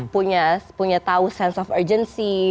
punya tahu sense of urgency